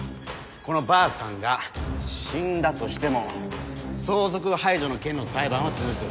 この婆さんが死んだとしても相続排除の件の裁判は続く。